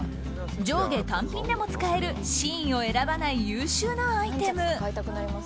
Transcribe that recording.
上下単品でも使えるシーンを選ばない優秀なアイテム。